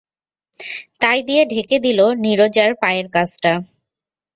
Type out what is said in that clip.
তাই দিয়ে ঢেকে দিল নীরজার পায়ের কাছটা।